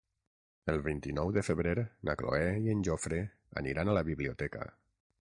El vint-i-nou de febrer na Cloè i en Jofre aniran a la biblioteca.